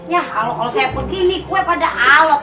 yah kalau saya buat gini kue pada alat